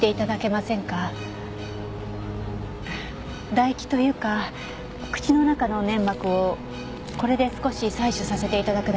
唾液というか口の中の粘膜をこれで少し採取させて頂くだけです。